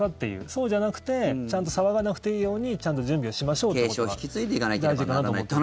そうじゃなくて、ちゃんと騒がなくていいようにちゃんと準備をしましょうってことが大事かなと思って。